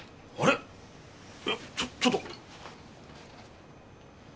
えっ⁉ちょちょっと！